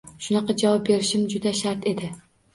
Shunaqa javob berishim juda shart edi.